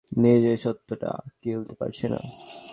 নিজেই সত্যটা গিলতে পারছি না।